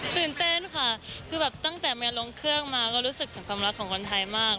ตื่นเต้นค่ะคือแบบตั้งแต่เมียลงเครื่องมาก็รู้สึกถึงความรักของคนไทยมาก